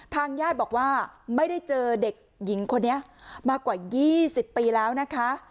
ทางญาติบอกว่าไม่ได้เจอเด็กหญิงคนนี้มากว่า๒๐ปีแล้วนะคะ